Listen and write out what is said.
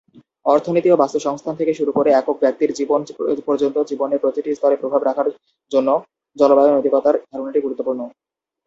অর্থনীতি ও বাস্তুসংস্থান থেকে শুরু করে একক ব্যক্তির জীবন পর্যন্ত জীবনের প্রতিটি স্তরে প্রভাব রাখার জন্য জলবায়ু নৈতিকতার ধারণাটি গুরুত্বপূর্ণ।